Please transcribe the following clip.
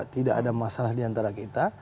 tidak ada masalah diantara kita